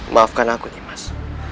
maafkan aku nimas